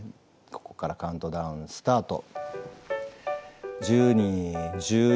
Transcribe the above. ここからカウントダウンスタート。